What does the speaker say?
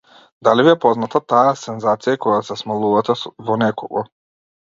Дали ви е позната таа сензација кога се смалувате во некого?